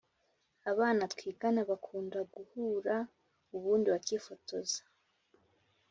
Abana twigana bakunda guhura ubundi bakifotoza